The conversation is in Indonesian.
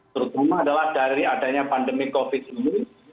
terutama adalah dari adanya pandemi covid ini